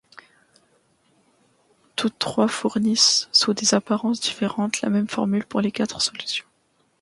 Toutes trois fournissent, sous des apparences différentes, la même formule pour les quatre solutions.